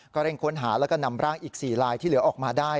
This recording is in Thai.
เร่งค้นหาแล้วก็นำร่างอีก๔ลายที่เหลือออกมาได้